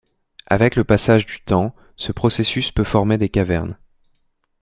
Avec le passage du temps, ce processus peut former des cavernes.